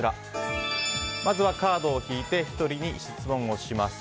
まずはカードを引いて１人に質問をします。